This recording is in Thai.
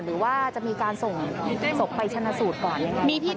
หรือว่าจะมีการส่งศพไปชนะสูตรก่อน